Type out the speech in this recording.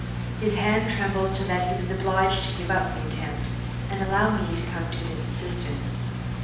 His hand trembled so that he was obliged to give up the attempt, and allow me to come to his assistance.